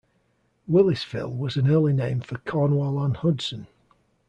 Willisville was an early name for Cornwall-on-Hudson.